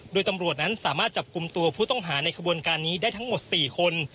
โดยตำรวจนั้นสามารถจับกลุ่มตัวผู้ต้องหาในขบวนการนี้ได้ทั้งหมด๔คน